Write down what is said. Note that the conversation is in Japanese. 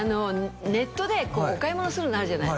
ネットでお買い物するのあるじゃない？